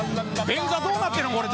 便座、どうなってるの？